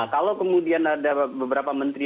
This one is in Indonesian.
kalau kemudian ada beberapa menteri